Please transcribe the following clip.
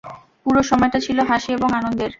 পুরো সময়টা ছিল হাসি এবং আনন্দের!